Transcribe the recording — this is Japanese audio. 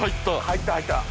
入った入った。